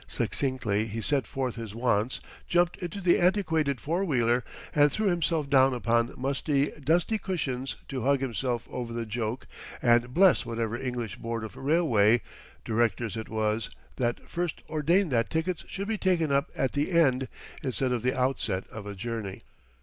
Succinctly he set forth his wants, jumped into the antiquated four wheeler, and threw himself down upon musty, dusty cushions to hug himself over the joke and bless whatever English board of railway, directors it was that first ordained that tickets should be taken up at the end instead of the outset of a journey.